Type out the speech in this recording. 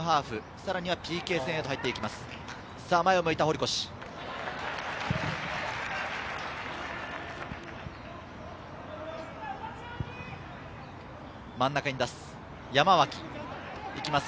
さらにはＰＫ戦へと入っていきます。